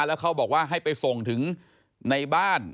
แล้วเขาบอกว่าให้ไปส่งถึงในบ้าน